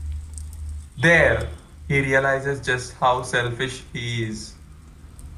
There, he realizes just how selfish he is.